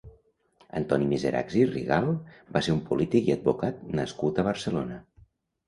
Antoni Miserachs i Rigalt va ser un polític i advocat nascut a Barcelona.